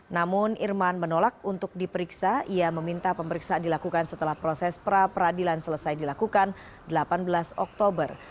namun irman menolak untuk diperiksa ia meminta pemeriksaan dilakukan setelah proses pra peradilan selesai dilakukan delapan belas oktober